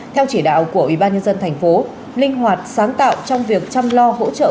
theo chỉ đạo của ubnd tp linh hoạt sáng tạo trong việc chăm lo hỗ trợ